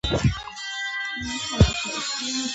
د طاهر آمین ورور به کتابونه لوستل او شعرونه خوښول